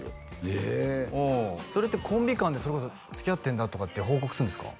ええそれってコンビ間でそれこそ「つきあってんだ」とかって報告するんですか？